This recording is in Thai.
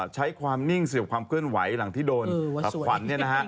ใช้ความนิ่งเสียบความเคลื่อนไหวหลังที่โดนขับขวัญ